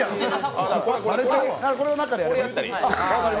これを中でやればいい。